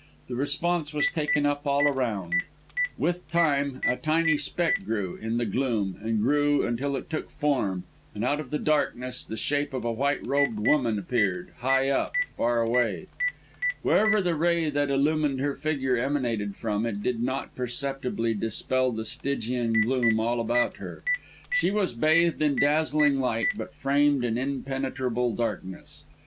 The response was taken up all around what time a tiny speck grew, in the gloom and grew, until it took form; and out of the darkness, the shape of a white robed woman appeared high up far away. Wherever the ray that illumined her figure emanated from, it did not perceptibly dispel the Stygian gloom all about her. She was bathed in dazzling light, but framed in impenetrable darkness.